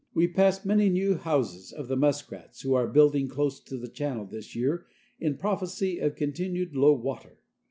We passed many new houses of the muskrats, who are building close to the channel this year in prophecy of continued low water.